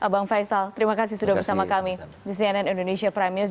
bang faisal terima kasih sudah bersama kami di cnn indonesia prime news